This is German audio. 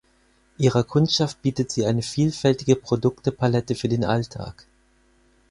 Ihrer Kundschaft bietet sie eine vielfältige Produkte-Palette für den Alltag.